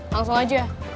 langsung aja ya